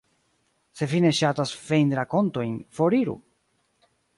Se vi ne ŝatas feinrakontojn, foriru.